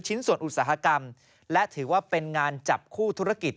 ส่วนอุตสาหกรรมและถือว่าเป็นงานจับคู่ธุรกิจ